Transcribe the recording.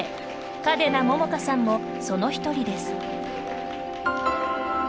嘉手納杏果さんも、その一人です。